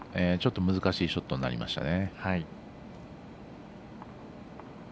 難しいショットになりましたね。